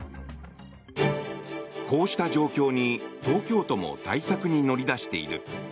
こうした状況に東京都も対策に乗り出している。